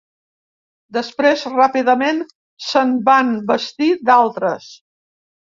Després, ràpidament se'n van bastir d'altres.